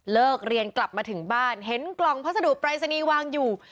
เลิกเรียนกลับมาถึงบ้านเห็นกล่องพัสดุปรายศนีย์วางอยู่